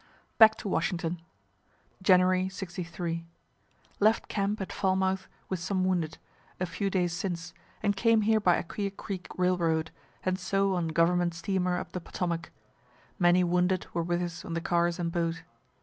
BACK TO WASHINGTON January, '63. Left camp at Falmouth, with some wounded, a few days since, and came here by Aquia creek railroad, and so on government steamer up the Potomac. Many wounded were with us on the cars and boat.